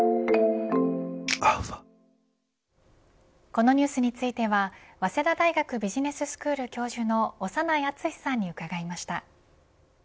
このニュースについては早稲田大学ビジネススクール教授の長内厚さんに伺いました。